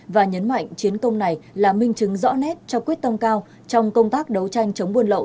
và nhấn mạnh chiến công này là minh chứng rõ nét cho quyết tâm cao trong công tác đấu tranh chống buôn lậu